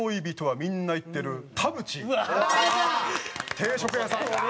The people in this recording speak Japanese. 定食屋さん。